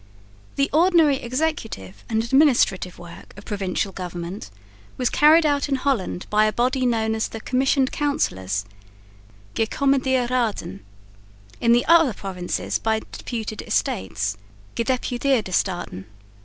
The ordinary executive and administrative work of Provincial government was carried out in Holland by a body known as the Commissioned Councillors Gecommitteerde Raden; in the other provinces by Deputed Estates _Gedeputeerde Staten.